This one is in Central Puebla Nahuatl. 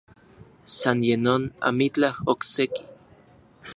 San ye non, amitlaj okse-ki.